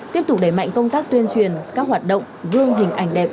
tiếp tục đẩy mạnh công tác tuyên truyền các hoạt động gương hình ảnh đẹp